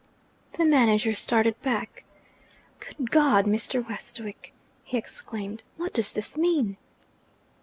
The manager started back. 'Good God, Mr. Westwick!' he exclaimed, 'what does this mean?'